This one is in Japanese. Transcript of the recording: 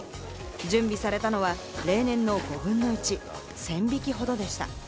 準備されたのは例年の５分の１、１０００匹ほどでした。